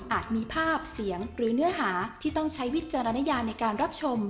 มีภาพเสียงหรือเนื้อหาที่ต้องใช้วิจารณญาในการรับชม